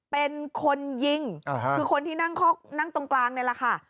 เป็นคนยิงคือคนที่นั่งตรงกลางนี่แหละค่ะ